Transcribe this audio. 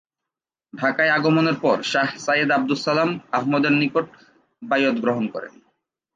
ঢাকায় আগমনের পর শাহ সাইয়েদ আবদুস সালাম আহমদের নিকট বাইয়াত গ্রহণ করেন।